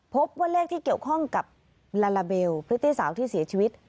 พบว่าเลขที่เกี่ยวข้องกับลาลาเบลพริตตี้สาวที่เสียชีวิต